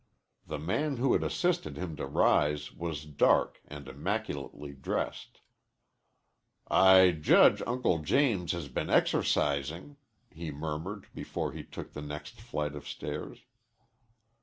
The man who had assisted him to rise was dark and immaculately dressed. "I judge Uncle James has been exercising," he murmured before he took the next flight of stairs.